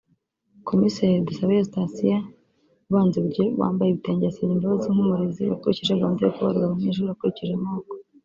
Komiseri Dusabeyezu Thacienne ubanza iburyo wambaye ibitenge yasabye imbabazi nk’umurezi wakurikije gahunda yo kubarura abanyeshuri akurikije amoko